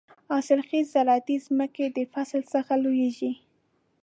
حاصل خېزه زراعتي ځمکې د فصل څخه لوېږي.